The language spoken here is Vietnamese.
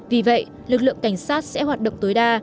vì vậy lực lượng cảnh sát sẽ hoạt động tối đa